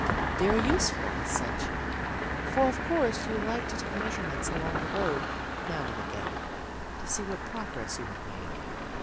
They are useful as such for of course you like to take measurements along the road, now and again, to see what progress you have made.